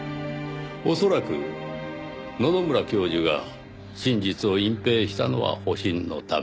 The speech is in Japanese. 恐らく野々村教授が真実を隠蔽したのは保身のため。